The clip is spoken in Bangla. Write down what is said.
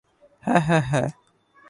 হ্যাঁ, হ্যাঁ, হ্যাঁ।